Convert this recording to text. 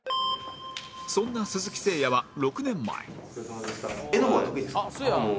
そんな鈴木誠也は６年前